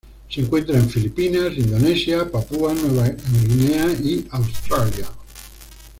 Se encuentran en Filipinas, Indonesia, Papúa Nueva Guinea y Australia.